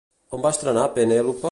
On va estrenar Penélope?